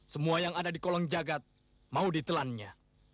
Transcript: semua yang ada di kolong jagat mau ditelannya